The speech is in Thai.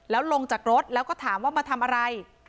แล้วลงจากรถแล้วก็ถามว่ามาทำอะไร